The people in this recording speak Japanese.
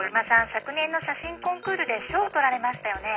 昨年の写真コンクールで賞取られましたよね？